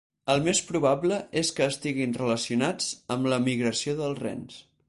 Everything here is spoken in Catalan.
El més probable és que estiguin relacionats amb la migració dels rens.